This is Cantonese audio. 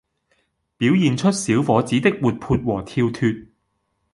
表現出小伙子的活潑和跳脫